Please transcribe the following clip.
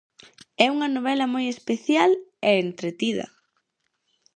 É unha novela moi especial e entretida.